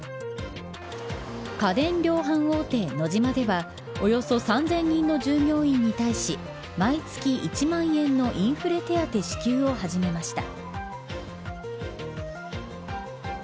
家電量販大手ノジマではおよそ３０００人の従業員に対し毎月１万円のインフレ手当支給を始めました。